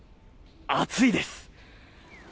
暑いです！